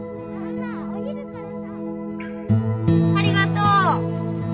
ありがとう。